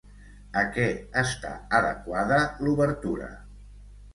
A què està adequada l'obertura?